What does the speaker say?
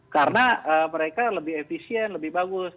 karena mereka lebih efisien lebih bagus